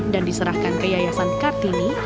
dan diserahkan ke yayasan kartini